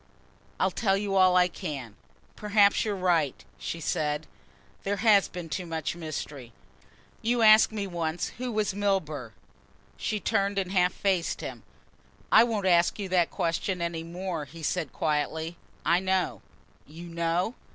"I'll tell you all I can. Perhaps you're right," she said. "There has been too much mystery. You asked me once who was Milburgh." She turned and half faced him. "I won't ask you that question any more," he said quietly, "I know!" "You know?"